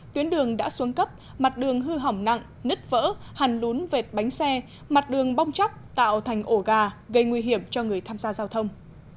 tuyến đường đã xuống cấp mặt đường hư hỏng nặng nứt vỡ hàn lún vệt bánh xe mặt đường bong chóc tạo thành ổ gà gây nguy hiểm cho người tham gia giao thông